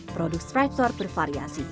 produk stripe store bervariasi